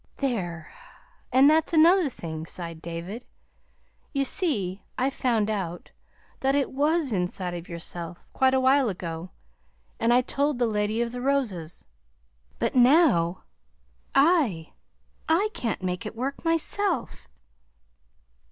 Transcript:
"There! and that's another thing," sighed David. "You see, I found that out that it was inside of yourself quite a while ago, and I told the Lady of the Roses. But now I can't make it work myself."